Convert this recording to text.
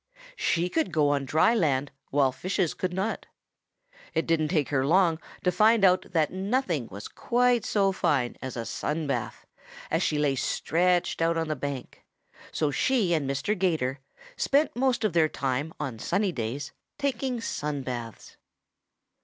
She could go on dry land while fishes could not. It didn't take her long to find out that nothing was quite so fine as a sun bath, as she lay stretched out on the bank, so she and Mr. 'Gator spent most of their time on sunny days taking sun baths.